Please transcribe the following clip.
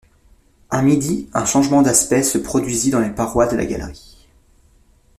À midi un changement d’aspect se produisit dans les parois de la galerie.